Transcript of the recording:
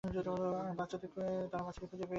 তারা বাচ্চাদের খুঁজে পেয়েছে!